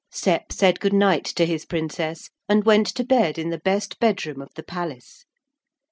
Sep said good night to his Princess and went to bed in the best bedroom of the palace.